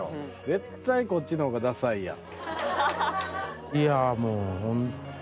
絶対こっちの方がダサいやん。